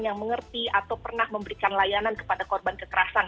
yang mengerti atau pernah memberikan layanan kepada korban kekerasan